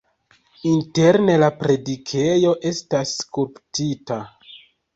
Interne la predikejo estas skulptita.